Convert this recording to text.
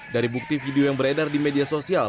dari bukti video yang beredar di media sosial